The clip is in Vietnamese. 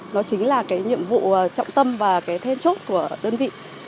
nó chính là cái nhiệm vụ trọng tâm và cái then chốt của đơn vị